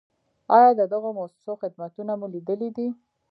آیا د دغو مؤسسو خدمتونه مو لیدلي دي؟